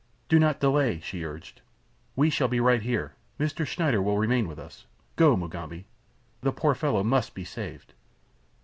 "Do not delay," she urged. "We shall be all right here. Mr. Schneider will remain with us. Go, Mugambi. The poor fellow must be saved."